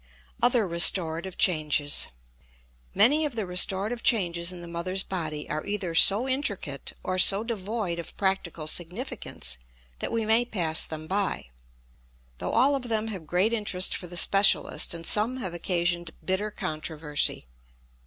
OTHER RESTORATIVE CHANGES. Many of the restorative changes in the mother's body are either so intricate or so devoid of practical significance that we may pass them by; though all of them have great interest for the specialist, and some have occasioned bitter controversy.